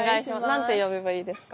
何て呼べばいいですか？